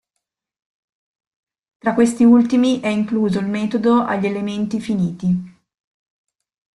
Tra questi ultimi è incluso il metodo agli elementi finiti.